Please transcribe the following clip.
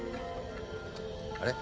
あれ？